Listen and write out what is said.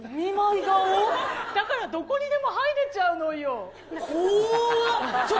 だから、どこにでも入れちゃこわっ。